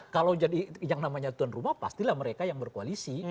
kalau jadi yang namanya tuan rumah pastilah mereka yang berkoalisi